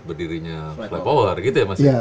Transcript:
berdirinya fly power gitu ya mas